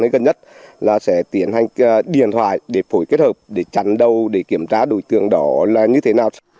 thứ nhất là sẽ tiến hành điện thoại để phối kết hợp để chắn đâu để kiểm tra đối tượng đó là như thế nào